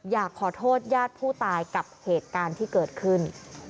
อยากขอโทษญาติผู้ตายกับเหตุการณ์ที่เกิดขึ้น